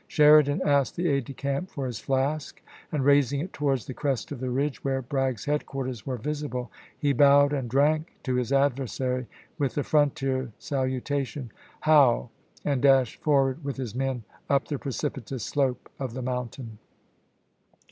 Sheridan asked the aide de camp for his flask, and raising it towards the crest of the ridge, where Bragg's headquarters were visible, he bowed and drank to his adversary with the frontier salutation, "How," and dashed forward with his men up the precipitous slope of the moun tain.